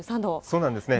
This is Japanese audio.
そうなんですね。